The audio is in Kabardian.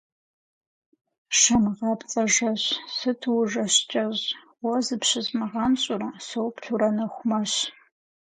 Шэмыгъапцӏэ жэщ, сыту ужэщ кӏэщӏ, уэ зыпщызмыгъэнщӏурэ, соплъурэ нэху мэщ.